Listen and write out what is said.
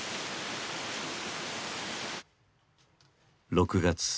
６月。